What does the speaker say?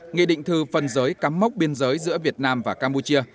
nghị định thư phân giới cắm mốc biên giới giữa việt nam và campuchia